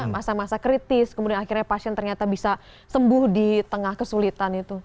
masa masa kritis kemudian akhirnya pasien ternyata bisa sembuh di tengah kesulitan itu